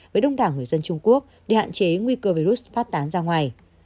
với đông đảo người dân trung quốc để hạn chế nguy cơ virus phát tán ra ngoài